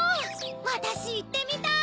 わたしいってみたい！